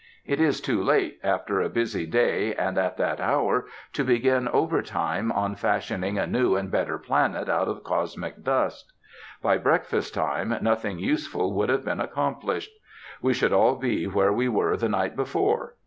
It is too late, after a busy day, and at that hour, to begin overtime on fashioning a new and better planet out of cosmic dust. By breakfast time, nothing useful would have been accomplished. We should all be where we were the night before.